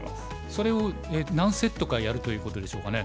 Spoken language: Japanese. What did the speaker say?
それを何セットかやるということでしょうかね。